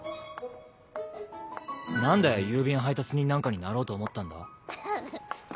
何で郵便配達人なんかになろうと思ったんだ？